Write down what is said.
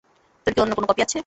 তোর কি অন্য কোন কপি আছে?